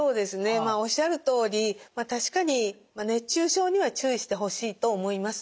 おっしゃるとおり確かに熱中症には注意してほしいと思います。